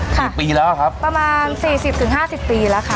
กี่ปีแล้วครับประมาณสี่สิบถึงห้าสิบปีแล้วค่ะ